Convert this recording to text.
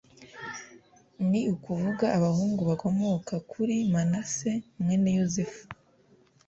ni ukuvuga abahungu bakomoka kuri manase mwene yozefu